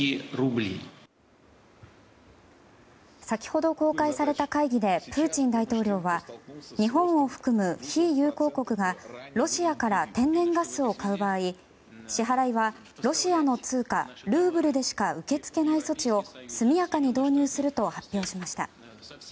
先ほど公開された会議でプーチン大統領は日本を含む非友好国がロシアから天然ガスを買う場合支払いはロシアの通貨ルーブルでしか受け付けない措置を速やかに導入すると発表しました。